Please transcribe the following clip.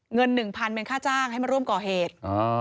เงินหนึ่งพันเป็นค่าจ้างให้มาร่วมก่อเหตุ